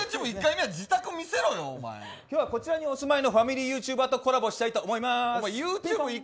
第１回目はこちらにお住まいのファミリーユーチューバーとコラボしたいと思います！